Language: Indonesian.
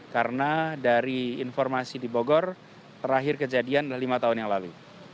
karena dari informasi di bogor terakhir kejadian lima tahun yang lalu